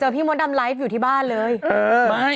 ใช่ิเห็นมั้ยเนี่ยที่เขาเล่า